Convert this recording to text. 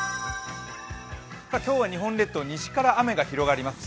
今日は日本列島、西から雨が広がります。